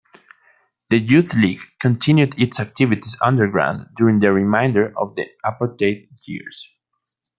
The Youth League continued its activities underground during the remainder of the apartheid years.